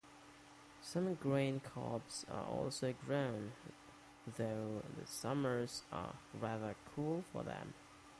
Some grain crops are also grown, though the summers are rather cool for them.